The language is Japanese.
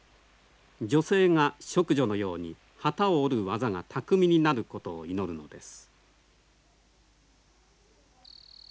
女性が織女のように機を織る技が巧みになることを祈るのです。